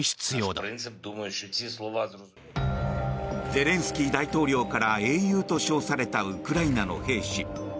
ゼレンスキー大統領から英雄と称されたウクライナの兵士。